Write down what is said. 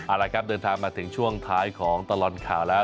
เอาละครับเดินทางมาถึงช่วงท้ายของตลอดข่าวแล้ว